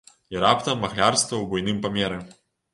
І раптам махлярства ў буйным памеры!